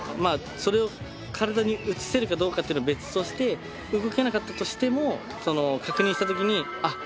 それを体に移せるかどうかっていうのは別として動けなかったとしてもその確認したときにあっ